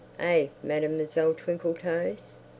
Eh, Mademoiselle Twinkletoes?"